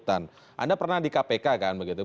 anda pernah di kpk kan begitu